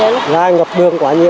ngay ngập đường quá nhiều